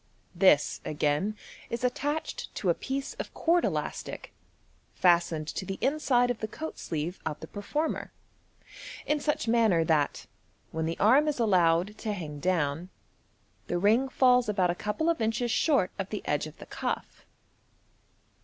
This again is attached to a piece of cord elastic, fas tened to the inside of the coat sleeve of the performer, in such manner that, when the arm is allowed to hang down, the ring falls about a couple of inches short of the edge of the cuff.